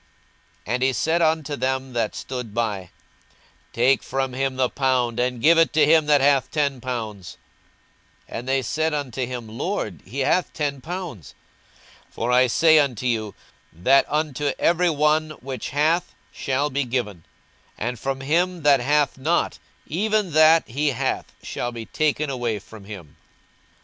42:019:024 And he said unto them that stood by, Take from him the pound, and give it to him that hath ten pounds. 42:019:025 (And they said unto him, Lord, he hath ten pounds.) 42:019:026 For I say unto you, That unto every one which hath shall be given; and from him that hath not, even that he hath shall be taken away from him.